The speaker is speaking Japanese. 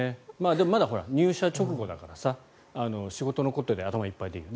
でもまだ入社直後だから仕事のことで頭がいっぱいでいい。